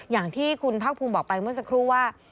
อย่างที่คุณภาคภูมิบอกไปเมื่อสักครู่ว่า